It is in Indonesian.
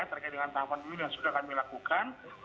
terkait dengan tahapan pemilu yang sudah kami lakukan